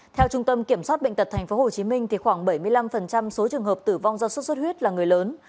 theo trung tâm kiểm soát bệnh tật tp hcm khoảng bảy mươi năm số trường hợp tử vong do sốt xuất huyết là người lớn